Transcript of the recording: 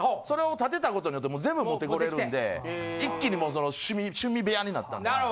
それを建てた事によって全部持ってこれるんで一気にもうその趣味部屋になったんで。